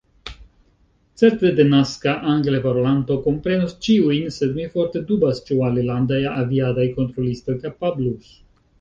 Certe, denaska angleparolanto komprenus ĉiujn, sed mi forte dubas, ĉu alilandaj aviadaj kontrolistoj kapablus.